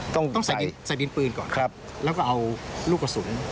ต้องใส่ดินปืนก่อนแล้วก็เอาลูกกระสุน